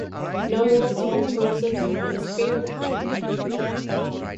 Not all territories observe this bandplan.